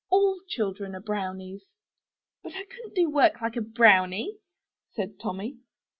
All children are brownies.*' "But I couldn't do work like a BROWNIE,*' said Tommy.